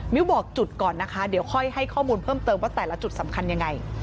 บอกจุดก่อนนะคะเดี๋ยวค่อยให้ข้อมูลเพิ่มเติมว่าแต่ละจุดสำคัญยังไง